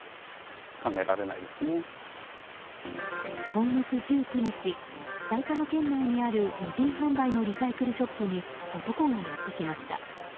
今月１９日、埼玉県内にある無人販売のリサイクルショップに男がやってきました。